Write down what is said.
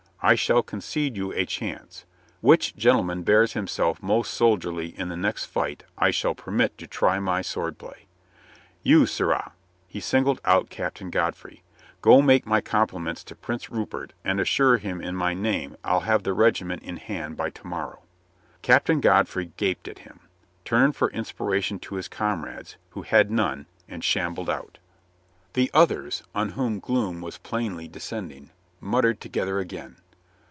I shall concede you a chance. Which gentleman bears himself most soldierly in the next fight I shall permit to try my sword play. You, sirrah," — he singled out Captain Godfrey, — "go make my com pliments to Prince Rupert and assure him in my name I'll have the regiment in hand by to morrow." Captain Godfrey gaped at him, turned for inspira tion to his comrades, who had none, and shambled out. The others, on whom gloom was plainly descend ing, muttered together again.